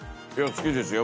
好きですよ。